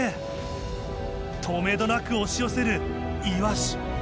とめどなく押し寄せるイワシイワシイワシ！